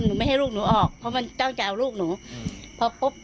หนูไม่ให้ลูกหนูออกเพราะมันต้องจะเอาลูกหนูเพราะปุ๊บ